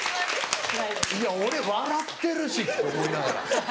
いや俺笑ってるし！って思いながら。